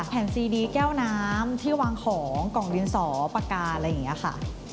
แผ่นซีดีแก้วน้ำที่วางของกล่องดินสอปากกาอะไรอย่างนี้ค่ะ